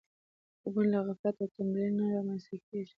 خوبونه له غفلت او تنبلي نه رامنځته کېږي.